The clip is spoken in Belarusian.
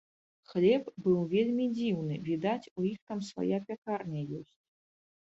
Хлеб быў вельмі дзіўны, відаць, у іх там свая пякарня ёсць.